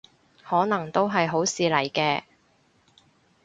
可能都係好事嚟嘅